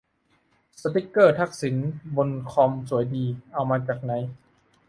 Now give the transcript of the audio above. สติกเกอร์ทักษิณบนคอมสวยดี เอามาจากไหน